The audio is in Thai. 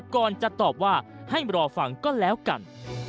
ก่อนจะตอบว่าให้รอฟังก็แล้วกัน